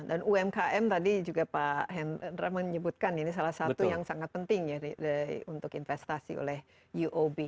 dan umkm tadi juga pak hendra menyebutkan ini salah satu yang sangat penting ya untuk investasi oleh uob